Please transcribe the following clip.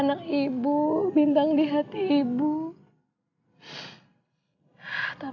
jadi sekarang kita punya